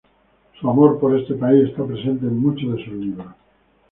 Su amor por este país está presente en muchos de sus libros.